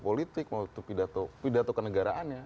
politik mau itu pidato pidato kenegaraannya